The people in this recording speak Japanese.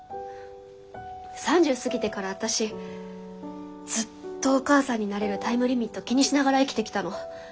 ３０過ぎてから私ずっとお母さんになれるタイムリミット気にしながら生きてきたの。